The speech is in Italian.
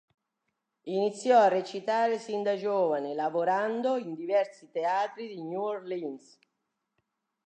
Iniziò a recitare sin da giovane, lavorando in diversi teatri di New Orleans.